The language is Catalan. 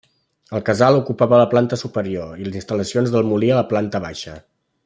El casal ocupava la planta superior i les instal·lacions del molí a la planta baixa.